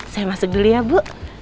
saya masuk dulu ya bu